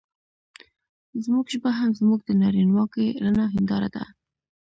زموږ ژبه هم زموږ د نارينواکۍ رڼه هېنداره ده.